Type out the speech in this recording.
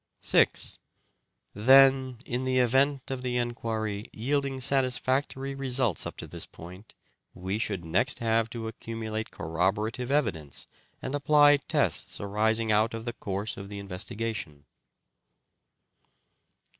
METHOD OF SOLUTION 107 6. Then, in the event of the enquiry yielding satis factory results up to this point we should next have to accumulate corroborative evidence and apply tests arising out of the course of the investigation.